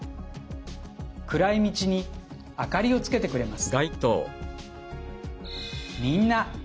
暗い道に明かりをつけてくれます。